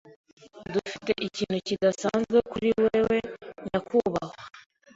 Dufite ikintu kidasanzwe kuri wewe, nyakubahwa.